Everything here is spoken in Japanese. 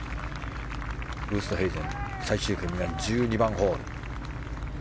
ウーストヘイゼン、最終組は１２番ホール。